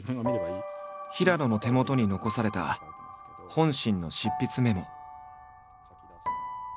平野の手元に残された「本心」の執筆メモ。